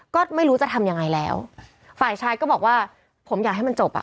ก็ไม่รู้จะทำยังไงแล้วฝ่ายชายก็บอกว่าผมอยากให้มันจบอ่ะ